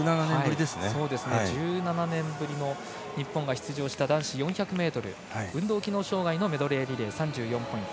１７年ぶりの日本が出場した男子４００ｍ運動機能障がいのメドレーリレー３４ポイント。